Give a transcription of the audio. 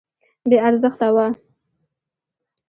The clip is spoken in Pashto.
بې ارزښته وه.